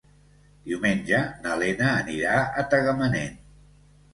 Diumenge na Lena anirà a Tagamanent.